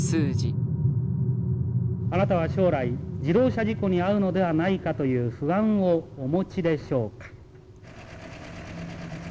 あなたは将来自動車事故に遭うのではないかという不安をお持ちでしょうか。